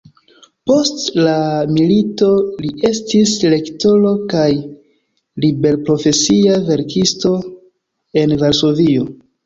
Post la milito li estis lektoro kaj liberprofesia verkisto en Varsovio.